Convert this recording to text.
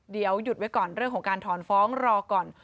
เดี๋ยวหยุดไว้ก่อนเรื่องของการถอนฟ้องรอก่อน